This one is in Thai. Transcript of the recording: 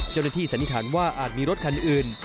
เจ้าหน้าที่สันนิษฐานว่าอาจมีรถคันอื่น